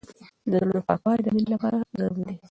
د زړونو پاکوالی د مینې لپاره ضروري دی.